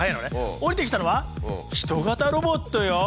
降りてきたのは人型ロボットよ！